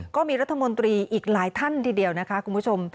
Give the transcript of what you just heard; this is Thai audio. ก็มีรัฐมนตรีอีกหลายท่านทีเดียวนะคะคุณผู้ชม